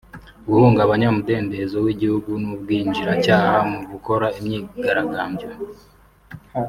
guhungabanya umudendezo w’igihugu n’ubwinjiracyaha mu gukora imyigaragambyo